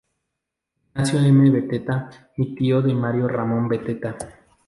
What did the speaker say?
Ignacio M. Beteta, y tío de Mario Ramón Beteta.